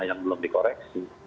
yang belum dikoreksi